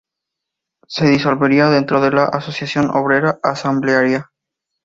Se disolvería dentro de la Asociación Obrera Asamblearia